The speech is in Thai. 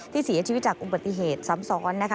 เสียชีวิตจากอุบัติเหตุซ้ำซ้อนนะคะ